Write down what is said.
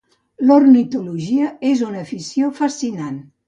L'ornitologia és una afició fascinant.